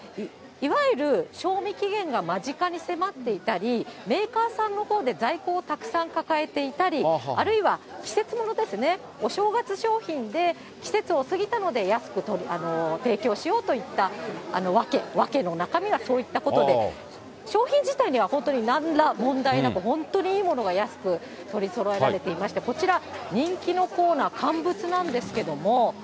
いわゆる賞味期限が間近に迫っていたり、メーカーさんのほうで在庫をたくさん抱えていたり、あるいは季節物ですね、お正月商品で、季節を過ぎたので、安く提供しようといった訳、訳の中身はそういったことで、商品自体には、本当になんら問題なく、本当にいいものが安く取りそろえられていまして、こちら、人気のコーナー、乾物なんですけども。